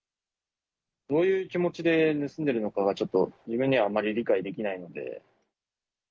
どういう気持ちで盗んでるのかが、ちょっと自分ではあまり理解できないので。